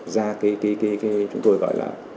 ra cái chúng tôi gọi là chứng nhận cấp phép